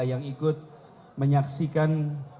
yang ikut menyaksikan